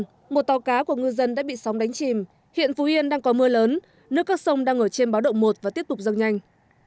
trong khi một tàu cá của ngư dân đã bị sóng đánh chìm hiện phú yên đang có mưa lớn nước các sông đang ở trên báo động một và tiếp tục dâng nhanh